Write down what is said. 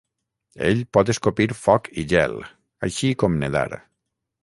Ell pot escopir foc i gel, així com nedar.